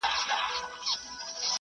غیرت د هرې کورنۍ د وقار نښه ده.